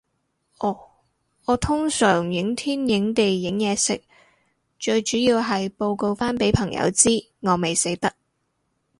哦，我通常影天影地影嘢食，最主要係報告返畀朋友知，我未死得